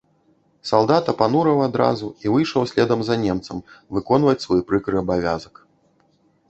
Салдат апанураў адразу і выйшаў следам за немцам выконваць свой прыкры абавязак.